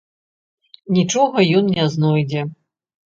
Нічога ён не знойдзе.